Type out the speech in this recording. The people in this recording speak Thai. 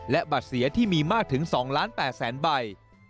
และบัตรเสียที่มีมากถึง๒ล้าน๘แสนใบ